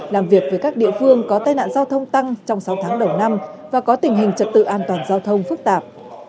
làm việc với các địa phương có tai nạn giao thông tăng trong sáu tháng đầu năm và có tình hình trật tự an toàn giao thông phức tạp